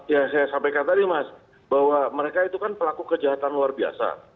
ya saya sampaikan tadi mas bahwa mereka itu kan pelaku kejahatan luar biasa